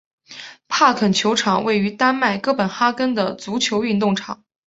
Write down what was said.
帕肯球场位于丹麦哥本哈根的足球运动场。